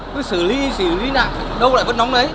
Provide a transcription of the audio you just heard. cứ xử lý xử lý lại đâu lại vẫn nóng đấy